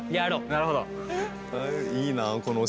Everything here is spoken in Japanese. なるほど。